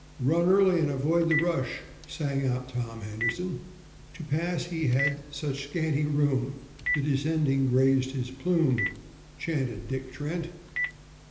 "Run early and avoid the rush," sang out Tom Henderson. "To pass he had such scanty room, The descending grazed his plume," chanted Dick Trent.